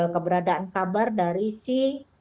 keberadaan kabar dari si